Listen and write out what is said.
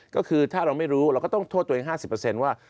ก็คือถ้าเราไม่รู้เราก็ต้องโทษตัวเอง๕๐เปอร์เซ็นต์ว่า